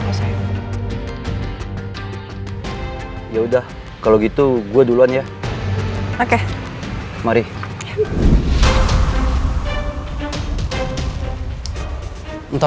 pasti mama kamu akan memahami semuanya